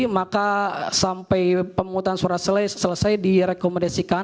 maka sampai pemungutan suara selesai direkomendasikan